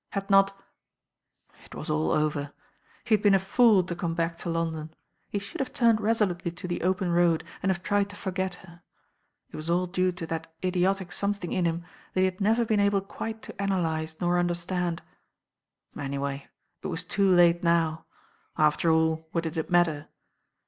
Had not ? It was all over. He had been a fool to come back to London. He should have turned resolutely to the open road, and have tried to forget her. It was all due to that idiotic some thing in him that he had never been able quite to analyse nor understand. Anyway, it was too late now. After all, what did it matter?